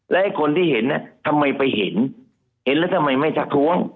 และคนที่เห็นน่ะทำไมไปเห็นเห็นแล้วทำไมไม่ทักท้วง